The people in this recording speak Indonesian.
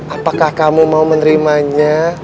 apakah kamu mau menerimanya